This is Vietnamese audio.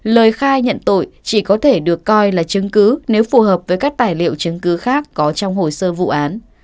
lời khai nhận tội chỉ có thể được coi là chứng cứ nếu phù hợp với các tài liệu chứng cứ khác có trong hồ sơ vụ án